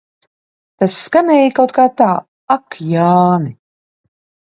Tas skanēja kaut kā tā, Ak, Jāni.